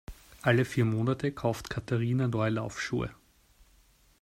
Alle vier Monate kauft Katharina neue Laufschuhe.